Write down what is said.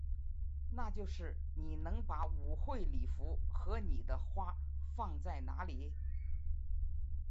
那就是你能把舞会礼服和你的花放在哪里？